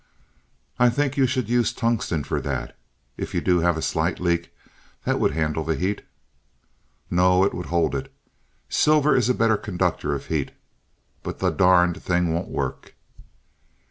"I should think you'd use tungsten for that. If you do have a slight leak, that would handle the heat." "No, it would hold it. Silver is a better conductor of heat. But the darned thing won't work."